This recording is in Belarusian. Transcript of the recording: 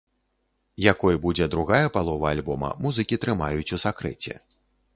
Якой будзе другая палова альбома, музыкі трымаюць у сакрэце.